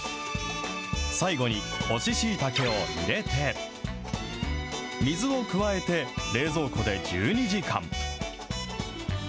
最後に、干ししいたけを入れて、水を加えて、冷蔵庫で１２時間。